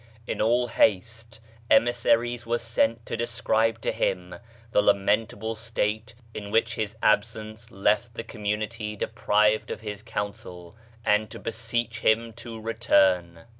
In all haste emissaries were sent to describe to him the lamentable state in which his absence left the community deprived of his counsel, and to beseech him to return.